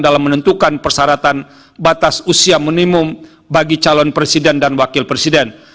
dalam menentukan persyaratan batas usia minimum bagi calon presiden dan wakil presiden